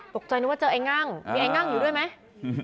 นึกว่าเจอไอ้งั่งมีไอ้งั่งอยู่ด้วยไหม